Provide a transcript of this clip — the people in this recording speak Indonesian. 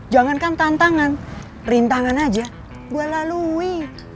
jangankan tantangan rintangan aja gue lalui